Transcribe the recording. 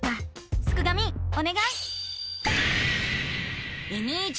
すくがミおねがい！